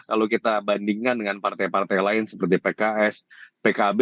kalau kita bandingkan dengan partai partai lain seperti pks pkb